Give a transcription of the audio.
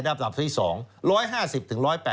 ดับที่๒๑๕๐ถึง๑๘๐